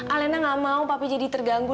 alena nggak mau fadil jadi terganggu